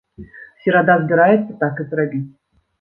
Серада збіраецца так і зрабіць.